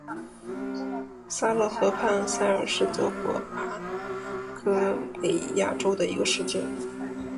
萨勒河畔萨尔是德国巴伐利亚州的一个市镇。